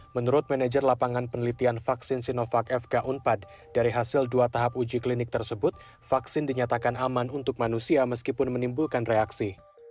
menurut manajer lapangan penelitian vaksin sinovac fk unpad dari hasil dua tahap uji klinik tersebut vaksin dinyatakan aman untuk manusia meskipun menimbulkan reaksi